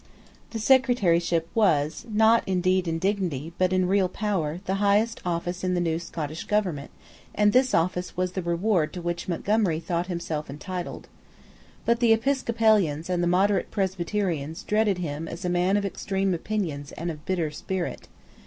The Secretaryship was, not indeed in dignity, but in real power, the highest office in the Scottish government; and this office was the reward to which Montgomery thought himself entitled. But the Episcopalians and the moderate Presbyterians dreaded him as a man of extreme opinions and of bitter spirit.